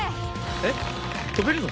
えっ飛べるの？